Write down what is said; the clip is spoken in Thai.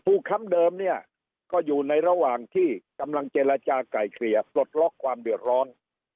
ค้ำเดิมเนี่ยก็อยู่ในระหว่างที่กำลังเจรจาก่ายเคลียร์ปลดล็อกความเดือดร้อน